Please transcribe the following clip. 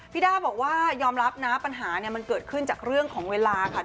ด้าบอกว่ายอมรับนะปัญหาเนี่ยมันเกิดขึ้นจากเรื่องของเวลาค่ะ